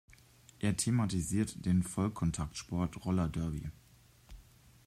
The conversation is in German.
Er thematisiert den Vollkontakt-Sport Roller Derby.